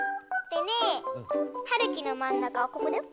でねはるきのまんなかはここだよ。